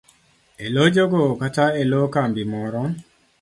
e lo jogo kata e lo kambi moro.